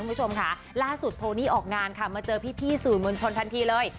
เมื่อกลุ่มที่โทนี่ออกงานก็มาเจอได้พิธีศูนย์ทันทีเลย